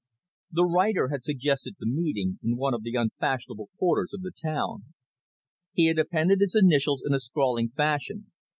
The writer had suggested the meeting in one of the unfashionable quarters of the town. He had appended his initials in a scrawling fashion.